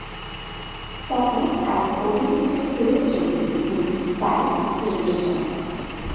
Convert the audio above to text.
তখন স্থানীয় পল্লি চিকিৎসক ফিরোজ চৌধুরী মেয়েটির পায়ে দুটি ইনজেকশন দেন।